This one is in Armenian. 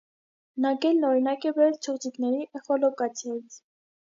Նագելն օրինակ է բերել չղջիկների էխոլոկացիայից։